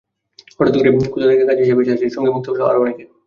হঠাৎ করেই কোথা থেকে কাজি সাহেব এসে হাজির, সঙ্গে মুক্তাসহ আরও অনেকে।